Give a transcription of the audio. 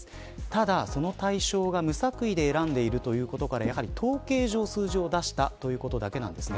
ただ、その対象が無作為で選んでいることからやはり統計上、数字を出したということだけなんです。